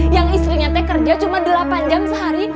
yang istrinya teh kerja cuma delapan jam sehari